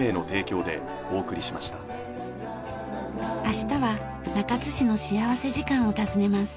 明日は中津市の幸福時間を訪ねます。